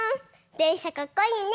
でんしゃかっこいいね。